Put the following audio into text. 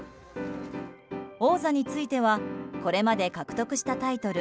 王座についてはこれまで獲得したタイトル